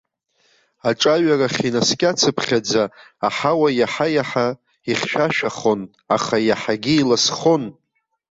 Аҿаҩарахь инаскьацыԥхьаӡа, аҳауа иаҳа-иаҳа ихьшәашәахон, аха иаҳагьы иласхон.